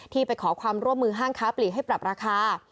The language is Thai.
ไปขอความร่วมมือห้างค้าปลีกให้ปรับราคา